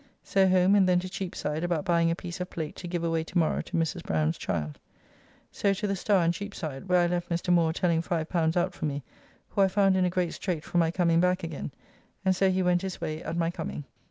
So home, and then to Cheapside about buying a piece of plate to give away to morrow to Mrs. Browne's child. So to the Star in Cheapside, where I left Mr. Moore telling L5 out for me, who I found in a great strait for my coming back again, and so he went his way at my coming.